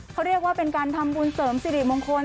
เขาเรียกว่าเป็นการทำบุญเสริมสิริมงคล